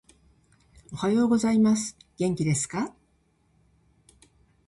おはようございます。元気ですか？